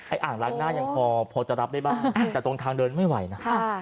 อ่างล้างหน้ายังพอจะรับได้บ้างแต่ตรงทางเดินไม่ไหวนะ